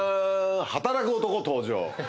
働く男登場。